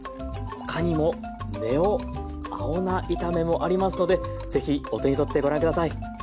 他にも「ＮＥＯ！青菜炒め」もありますのでぜひお手に取ってご覧下さい。